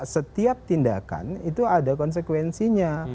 setiap tindakan itu ada konsekuensinya